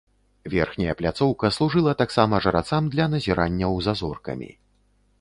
Верхняя пляцоўка служыла таксама жрацам для назіранняў за зоркамі.